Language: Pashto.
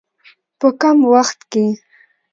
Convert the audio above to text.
په کم وخت کې.